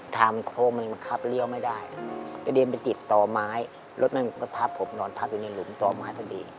โค้งมันบังคับเลี่ยวไม่ได้กระเด็นไปติดต่อไม้รถมันก็ทับผมนอนทับอยู่ในหลุมต่อไม้พอดี